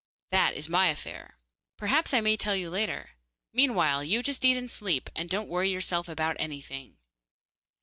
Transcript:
'That is my affair. Perhaps I may tell you later. Meanwhile you just eat and sleep, and don't worry yourself about anything.